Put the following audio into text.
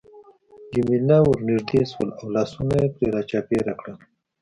جميله ورنژدې شول او لاسونه يې پرې را چاپېره کړل.